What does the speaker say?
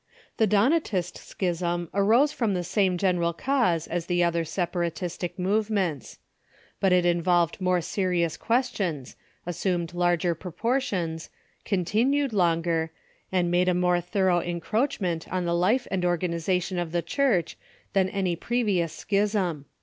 The Donatist schism arose from the same general cause as the other separatistic movements. But it involved more se rious questions, assumed larger proportions, con Donatist Schism .,^,', i , I tmued longer, and made a more thorough en croachment on the life and organization of the Church than any previous schism.